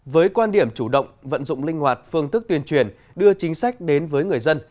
với quan điểm chủ động vận dụng linh hoạt phương thức tuyên truyền đưa chính sách đến với người dân